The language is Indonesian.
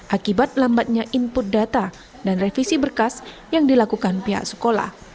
akibat lambatnya input data dan revisi berkas yang dilakukan pihak sekolah